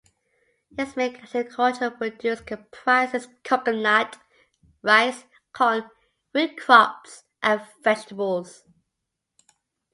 Its main agricultural produce comprises coconut, rice, corn, rootcrops, and vegetables.